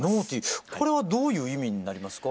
これはどういう意味になりますか？